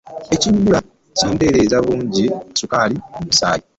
Ekimyula kikendeza obungi bwa sukaali mu musaayi.